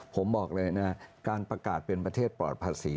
ผมบอกเลยนะการประกาศเป็นประเทศปลอดภาษี